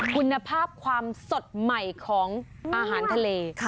คุณภาพความสดใหม่ของอาหารทะเล